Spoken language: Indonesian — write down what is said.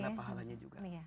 karena pahalanya juga